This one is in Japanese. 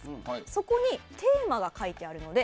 そこにテーマが書いてあるので。